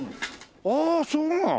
ああそうなの？